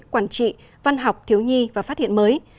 quản trị văn học thiếu nhi và phát hiện mới